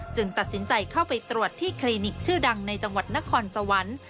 ตัดสินใจเข้าไปตรวจที่คลินิกชื่อดังในจังหวัดนครสวรรค์